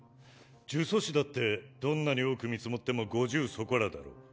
呪詛師だってどんなに多く見積もっても５０そこらだろう。